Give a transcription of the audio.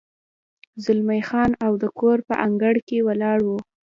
زلمی خان او د کور په انګړ کې ولاړ و.